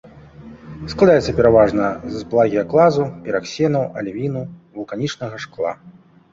Складаецца пераважна з плагіяклазу, піраксену, алівіну, вулканічнага шкла.